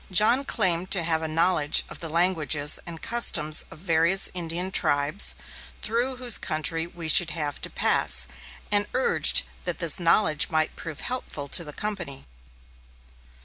John claimed to have a knowledge of the languages and customs of various Indian tribes through whose country we should have to pass, and urged that this knowledge might prove helpful to the company.